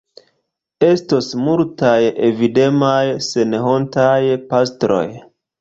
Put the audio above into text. Estos multaj avidemaj senhontaj pastroj.